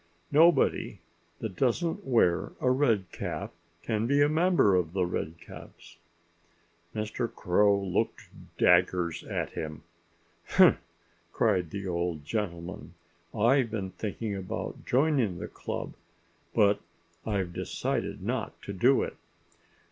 Nobody that doesn't wear a red cap can be a member of The Redcaps." Mr. Crow looked daggers at him. "Humph!" cried the old gentleman. "I've been thinking about joining the club. But I've decided not to do it."